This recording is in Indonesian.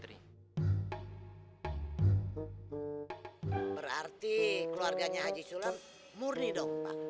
berarti keluarganya haji sulam murni dong pak